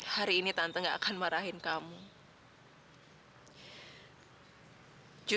hari ini tante gak akan marahin kamu